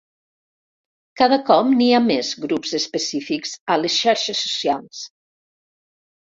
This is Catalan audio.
Cada cop n'hi ha més grups específics a les xarxes socials.